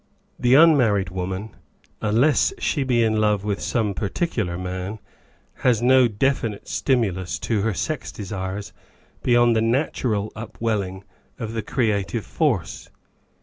The unmarried woman, unless she be in love with some particular man, has no definite stimulus to her sex desires beyond the natural upwelling of the crea tive force.